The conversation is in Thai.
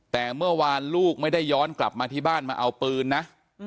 แต่เมื่อวานลูกไม่ได้ย้อนกลับมาที่บ้านมาเอาปืนนะ